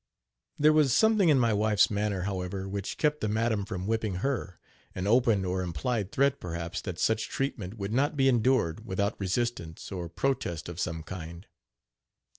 There was something in my wife's manner, however, which kept the madam from whipping her an open or implied threat perhaps that such treatment would not be endured without resistance or protest of some kind.